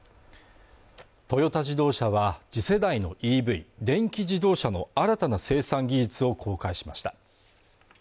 トヨタ自動車は次世代のＥＶ＝電気自動車の新たな生産技術を公開しました